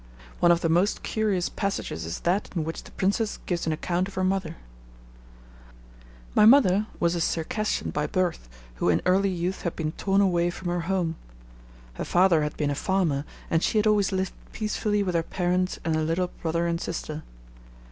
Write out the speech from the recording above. One of the most curious passages is that in which the Princess gives an account of her mother: My mother was a Circassian by birth, who in early youth had been torn away from her home. Her father had been a farmer, and she had always lived peacefully with her parents and her little brother and sister.